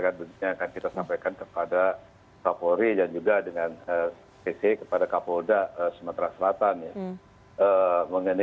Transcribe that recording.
karena terus terang kalau aferin